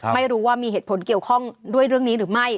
ไม่รู้ว่ามีเหตุผลเกี่ยวข้องด้วยเรื่องนี้หรือไม่